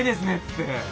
って。